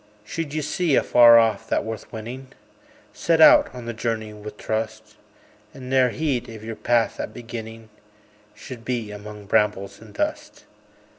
Should ye see, afar off, that worth winning, Set out on the journey with trust; And ne'er heed if your path at beginning Should be among brambles and dust.